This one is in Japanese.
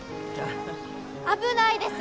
危ないです！